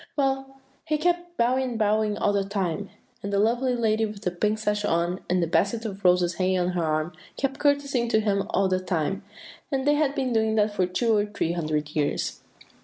Well, he kept bowing and bowing all the time, and the lovely lady with the pink sash on, and the basket of roses hanging on her arm, kept courtesying to him all the time; and they had been doing that for two or three hundred years."